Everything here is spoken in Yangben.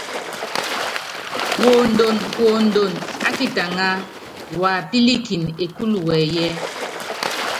Wondonkuondon ákitaŋa, wapílikini ékúlu wɛɛyiɛ́.